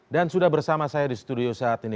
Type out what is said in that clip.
dan sudah bersama saya di studio saat ini